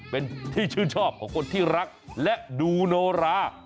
เป็นที่ชื่นชอบของคนที่รักและดูโนรา